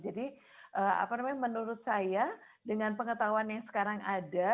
jadi apa namanya menurut saya dengan pengetahuan yang sekarang ada